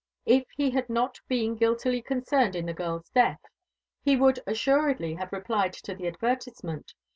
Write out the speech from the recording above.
If he had not been guiltily concerned in the girl's death, he would assuredly have replied to the advertisement.